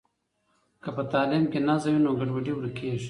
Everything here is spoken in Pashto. که په تعلیم کې نظم وي نو ګډوډي ورکیږي.